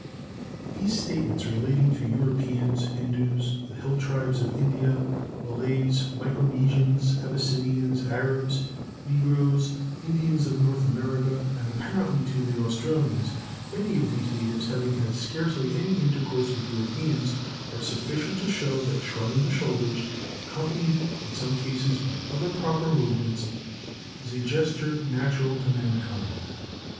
These statements, relating to Europeans, Hindoos, the hill tribes of India, Malays, Micronesians, Abyssinians, Arabs, Negroes, Indians of North America, and apparently to the Australians—many of these natives having had scarcely any intercourse with Europeans—are sufficient to show that shrugging the shoulders, accompanied in some cases by the other proper movements, is a gesture natural to mankind.